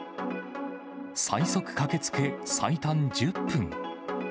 最速駆けつけ最短１０分。